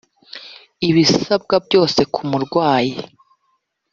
ibisabwa byose ku murwayi